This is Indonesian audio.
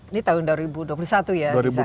ini tahun dua ribu dua puluh satu ya